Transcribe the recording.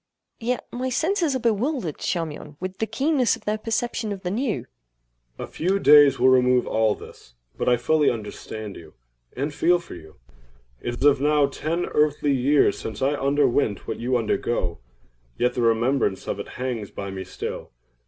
Yet my senses are bewildered, Charmion, with the keenness of their perception of the new. CHARMION. A few days will remove all this;—but I fully understand you, and feel for you. It is now ten earthly years since I underwent what you undergo—yet the remembrance of it hangs by me still.